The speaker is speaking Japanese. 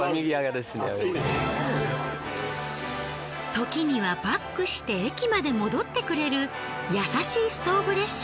ときにはバックして駅まで戻ってくれる優しいストーブ列車。